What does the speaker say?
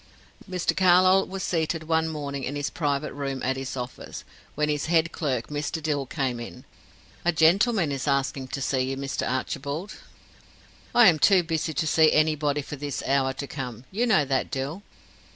Mr. Carlyle was seated one morning in his private room at his office, when his head clerk, Mr. Dill came in. "A gentleman is asking to see you, Mr. Archibald." "I am too busy to see anybody for this hour to come. You know that, Dill."